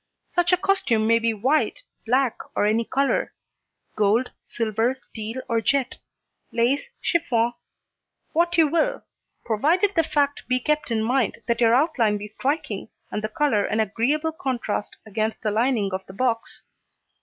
Such a costume may be white, black and any colour; gold, silver, steel or jet; lace, chiffon what you will provided the fact be kept in mind that your outline be striking and the colour an agreeable contrast against the lining of the box.